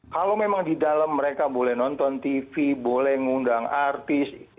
kalau memang di dalam mereka boleh nonton tv boleh ngundang artis